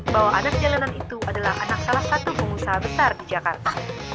bahwa anak jalanan itu adalah anak salah satu pengusaha besar di jakarta